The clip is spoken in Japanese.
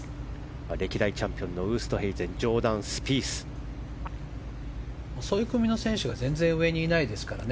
歴代チャンピオンのウーストヘイゼン遅い組の選手が全然、上にいないですからね。